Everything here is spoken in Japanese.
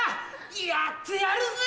やってやるぜ！